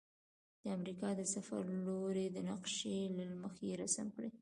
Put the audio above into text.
د امریکا د سفر لوري د نقشي له مخې رسم کړئ.